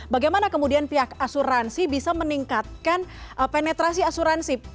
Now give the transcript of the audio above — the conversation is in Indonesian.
bagaimana kemudian pihak asuransi bisa meningkatkan penetrasi asuransi